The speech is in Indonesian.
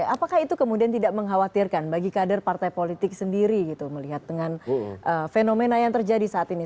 apakah itu kemudian tidak mengkhawatirkan bagi kader partai politik sendiri gitu melihat dengan fenomena yang terjadi saat ini